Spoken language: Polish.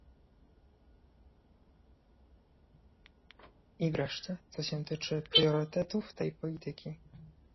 I wreszcie, co się tyczy priorytetów tej polityki